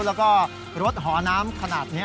แล้วก็รถหอน้ำขนาดนี้